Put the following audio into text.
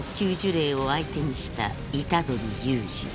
霊を相手にした虎杖悠仁